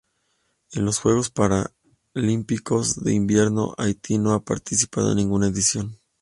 En los Juegos Paralímpicos de Invierno Haití no ha participado en ninguna edición.